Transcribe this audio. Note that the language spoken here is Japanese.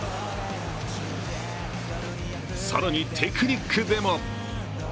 更に、テクニックでも。